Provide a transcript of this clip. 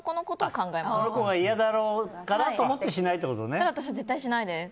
その子が嫌だろうからと思ってだから私は絶対しないです。